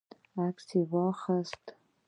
عکس یې واخیست.